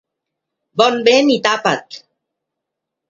Bon vent i tapa't